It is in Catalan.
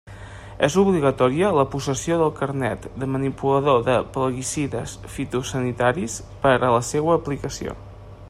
És obligatòria la possessió del carnet de manipulador de plaguicides fitosanitaris per a la seua aplicació.